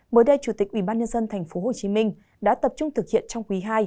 mới đây chủ tịch ubnd tp hcm đã tập trung thực hiện trong quý ii